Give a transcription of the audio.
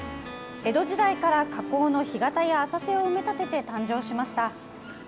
江戸時代から河口の干潟や浅瀬を埋め立てて誕生しました。